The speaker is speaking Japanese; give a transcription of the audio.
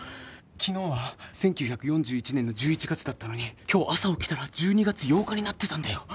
昨日は１９４１年の１１月だったのに今日朝起きたら１２月８日になってたんだよ。